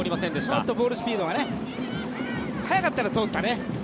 ちょっとボールスピードがね速かったら通ったね。